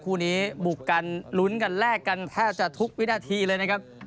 คู่นี้บุกกันลุ้นกันแลกกันแทบจะทุกวินาทีเลยนะครับ